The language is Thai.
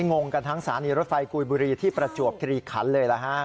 งงกันทั้งสารีรถไฟกุยบุรีที่ประจวบทีลิขันเลย